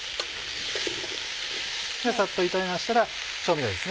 サッと炒めましたら調味料ですね。